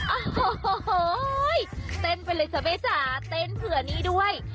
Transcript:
อ้าวโฮโฮโฮยเต้นไปเลยจ๊ะเบต้นเผื่อนี้ด้วย